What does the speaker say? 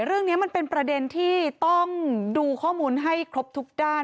เรื่องนี้มันเป็นประเด็นที่ต้องดูข้อมูลให้ครบทุกด้าน